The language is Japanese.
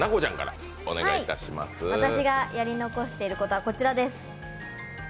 私がやり残していることはこちらです。